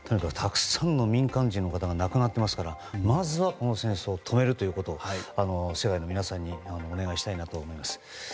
たくさんの民間人の方が亡くなってますからまずはこの戦争を止めるということを世界の皆さんにお願いしたいと思います。